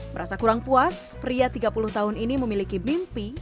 merasa kurang puas pria tiga puluh tahun ini memiliki mimpi